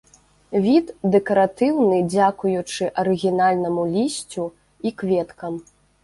Від дэкаратыўны дзякуючы арыгінальнаму лісцю і кветкам.